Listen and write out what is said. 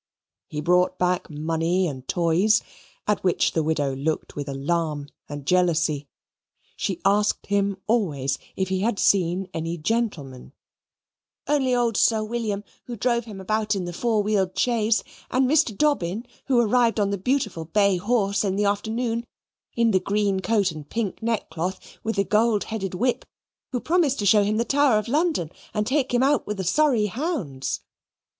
He brought back money and toys, at which the widow looked with alarm and jealousy; she asked him always if he had seen any gentleman "Only old Sir William, who drove him about in the four wheeled chaise, and Mr. Dobbin, who arrived on the beautiful bay horse in the afternoon in the green coat and pink neck cloth, with the gold headed whip, who promised to show him the Tower of London and take him out with the Surrey hounds."